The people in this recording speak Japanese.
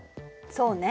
そうね。